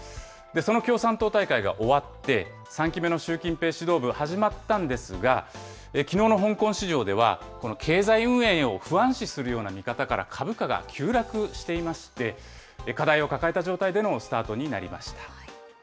その共産党大会が終わって、３期目の習近平指導部始まったんですが、きのうの香港市場では、この経済運営を不安視するような見方から株価が急落していまして、課題を抱えた状態でのスタートになりました。